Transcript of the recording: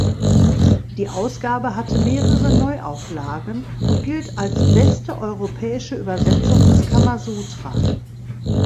Die Ausgabe hatte mehrere Neuauflagen und gilt als beste europäische Übersetzung des Kamasutra.